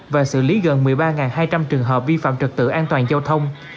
và xử lý gần một mươi ba hai trăm linh trường hợp vi phạm trật tự an toàn giao thông